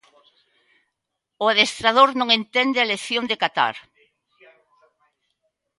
O adestrador non entende a elección de Qatar.